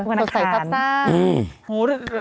เออวันนี้ก็ใส่ตับสร้าง